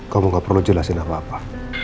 kamu gak perlu jelasin apa apa